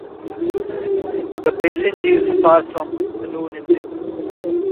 The Basenji is far from alone in this.